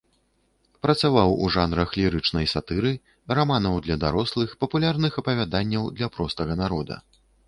Працаваў у жанрах лірычнай сатыры, раманаў для дарослых, папулярных апавяданняў для простага народа.